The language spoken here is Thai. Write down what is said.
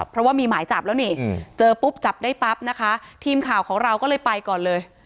เพราะว่ามีหมายจับแล้วนี่เจอปุ๊บจับได้ปั๊บนะคะทีมข่าวของเราก็เลยไปก่อนเลย